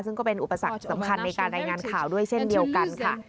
ซึ่งก็เป็นอุปสรรคสำคัญในการรายงานข่าวด้วยเช่นเดียวกันค่ะ